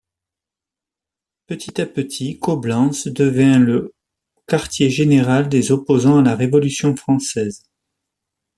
Petit à petit, Coblence devient le quartier général des opposants à la Révolution française.